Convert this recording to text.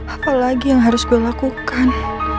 apa lagi yang harus gue lakukan